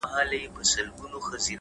نیک عمل د وجدان سکون زیاتوي,